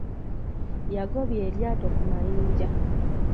Y'agobya eryato ku mayinja.